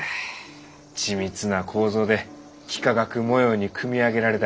緻密な構造で幾何学模様に組み上げられた